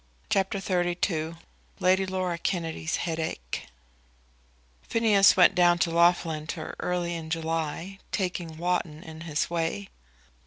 CHAPTER XXXII Lady Laura Kennedy's Headache Phineas went down to Loughlinter early in July, taking Loughton in his way.